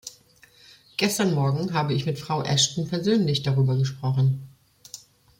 Gestern Morgen habe ich mit Frau Ashton persönlich darüber gesprochen.